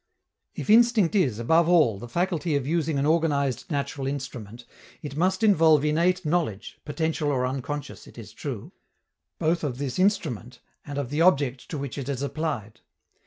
If instinct is, above all, the faculty of using an organized natural instrument, it must involve innate knowledge (potential or unconscious, it is true), both of this instrument and of the object to which it is applied.